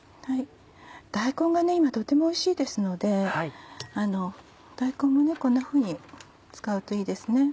大根が今とてもおいしいですので大根もねこんなふうに使うといいですね。